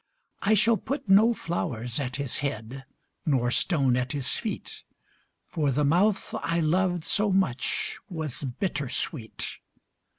I shall put no flowers at his head, Nor stone at his feet, For the mouth I loved so much Was bittersweet.